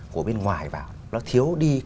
của bên ngoài vào nó thiếu đi